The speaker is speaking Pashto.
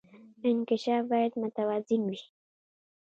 انکشاف باید متوازن وي